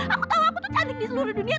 aku tahu aku tuh cantik di seluruh dunia